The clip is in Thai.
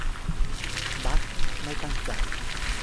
- บั๊ก ไม่ตั้งใจ